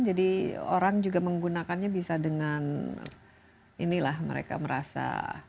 jadi orang juga menggunakannya bisa dengan inilah mereka merasa